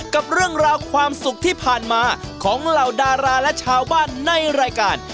กับเรื่องราวความสุขที่ผ่านมาของเหล่าดาราและชาวบ้านในรายการ